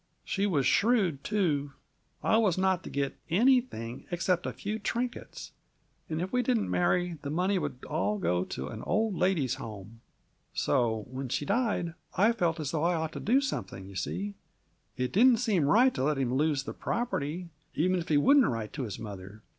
"She was shrewd, too. I was not to get anything except a few trinkets. And if we didn't marry, the money would all go to an old ladies' home. "So, when she died, I felt as if I ought to do something, you see. It didn't seem right to let him lose the property, even if he wouldn't write to his mother.